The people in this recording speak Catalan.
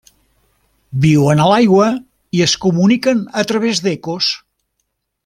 Viuen a l'aigua i es comuniquen a través d'ecos.